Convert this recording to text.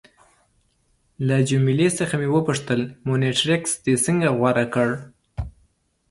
له جميله څخه مې وپوښتل: مونټریکس دې څنګه غوره کړ؟